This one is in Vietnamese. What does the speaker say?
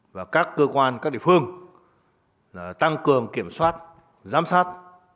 và các cơ quan các địa phương tăng cường kiểm soát giám sát